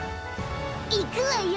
いくわよ。